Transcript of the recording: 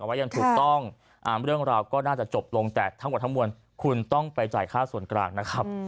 ไว้อย่างถูกต้องเรื่องราวก็น่าจะจบลงแต่ทั้งหมดทั้งมวลคุณต้องไปจ่ายค่าส่วนกลางนะครับ